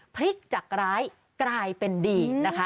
พลิกจากร้ายกลายเป็นดีนะคะ